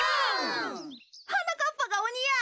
はなかっぱがおにや。